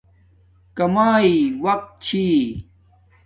کاماݵ وقت چھی